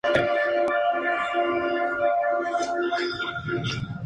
La aleta caudal posee lóbulos distales largos y finos.